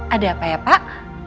ada apa ya pak